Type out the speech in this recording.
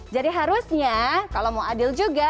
harusnya kalau mau adil juga